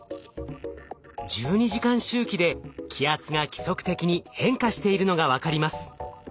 １２時間周期で気圧が規則的に変化しているのが分かります。